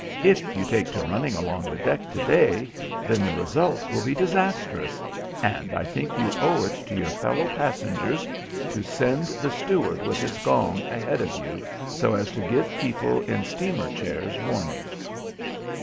If you take to running along the deck today then the results will be disastrous and I think you owe it to your fellow passengers to send the steward with his gong ahead of you so as to give people in steamer chairs warning."